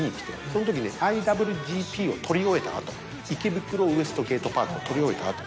そのときね『ＩＷＧＰ』を撮り終えた後『池袋ウエストゲートパーク』を撮り終えた後です。